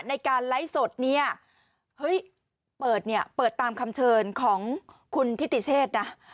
ในการไลฟ์สดเนี่ยเฮ้ยเปิดเนี่ยเปิดตามคำเชิญของคุณทิติเชษนะ